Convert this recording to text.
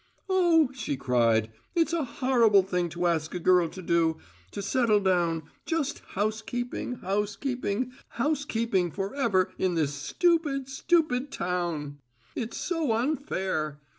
Oh!" she cried. "It's a horrible thing to ask a girl to do: to settle down just housekeeping, housekeeping, housekeeping forever in this stupid, stupid town! It's so unfair!